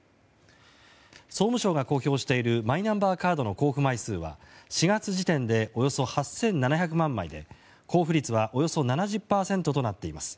総務省が公表しているマイナンバーカードの交付枚数は４月時点でおよそ８７００万枚で交付率はおよそ７０％となっています。